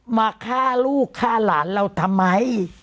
มาฆ่าลูกฆ่าหลานเราทำไม